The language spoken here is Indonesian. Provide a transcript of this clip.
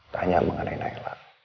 tanya mengenai naila